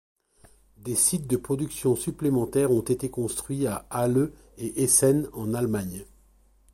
Des sites de production supplémentaires ont été construits à Halle et Essen en Allemagne.